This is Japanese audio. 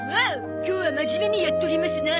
今日は真面目にやっとりますな。